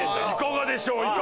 いかがでしょう？